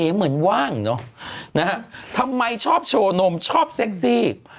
เหมือนว่างเนอะนะฮะทำไมชอบโชว์นมชอบเซ็กซี่